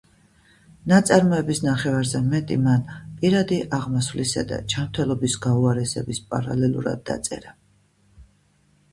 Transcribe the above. ნაწარმოების ნახევარზე მეტი მან პირადი აღმასვლისა და ჯანმრთელობის გაუარესების პარალელურად დაწერა